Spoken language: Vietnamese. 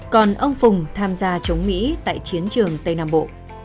còn ông phùng tham gia chống mỹ tại chiến trường tây nam bộ